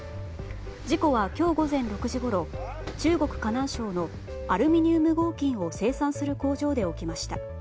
事故は今日午前６時ごろ中国・河南省のアルミニウム合金を生産する工場で起きました。